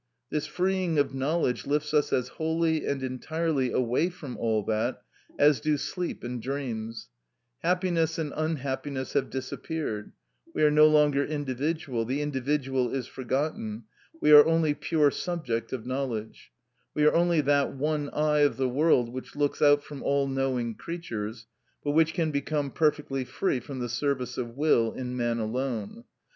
This freeing of knowledge lifts us as wholly and entirely away from all that, as do sleep and dreams; happiness and unhappiness have disappeared; we are no longer individual; the individual is forgotten; we are only pure subject of knowledge; we are only that one eye of the world which looks out from all knowing creatures, but which can become perfectly free from the service of will in man alone.